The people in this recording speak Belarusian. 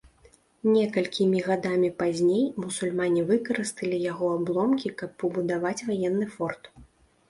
Некалькімі гадамі пазней мусульмане выкарысталі яго абломкі, каб пабудаваць ваенны форт.